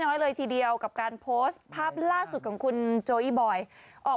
น้อยเลยทีเดียวกับการโพสต์ภาพล่าสุดของคุณโจอีบอยออก